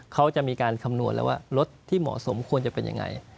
เขาจะมีการคำนวณแล้วว่ารถที่เหมาะสมควรจะเป็นยังไง